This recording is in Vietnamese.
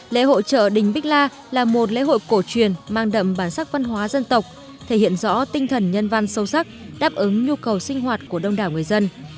lễ hội chợ đình bích la là một lễ hội cổ truyền mang đậm bản sắc văn hóa dân tộc thể hiện rõ tinh thần nhân văn sâu sắc đáp ứng nhu cầu sinh hoạt của đông đảo người dân